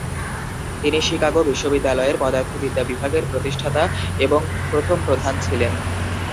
তিনি শিকাগো বিশ্ববিদ্যালয়ের পদার্থবিদ্যা বিভাগের প্রতিষ্ঠাতা এবং প্রথম প্রধান ছিলেন।